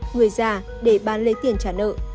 người già để bán lấy tiền trả nợ